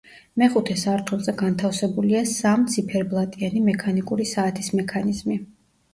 მეხუთე სართულზე განთავსებულია სამ ციფერბლატიანი მექანიკური საათის მექანიზმი.